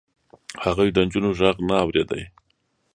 هغوی د نجونو غږ نه اورېد.